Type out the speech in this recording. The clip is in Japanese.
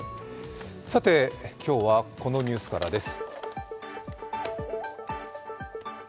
今日はこのニュースからです。